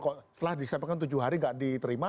setelah disampaikan tujuh hari gak diterima